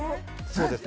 そうです